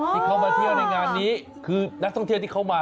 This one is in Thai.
ที่เขามาเที่ยวในงานนี้คือนักท่องเที่ยวที่เขามา